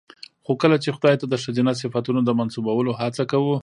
خو کله چې خداى ته د ښځينه صفتونو د منسوبولو هڅه کوو